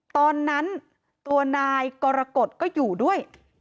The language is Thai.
ตอนนั้นตัวนายกรกฎก็อยู่ด้วย